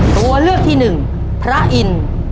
ตัวเลือกที่หนึ่งพระอินทร์